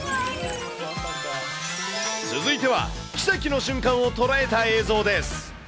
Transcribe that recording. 続いては、奇跡の瞬間を捉えた映像です。